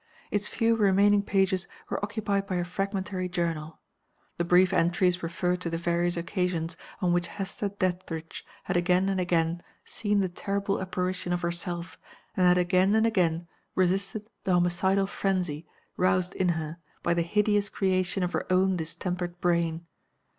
Its few remaining pages were occupied by a fragmentary journal. The brief entries referred to the various occasions on which Hester Dethridge had again and again seen the terrible apparition of herself, and had again and again resisted the homicidal frenzy roused in her by the hideous creation of her own distempered brain.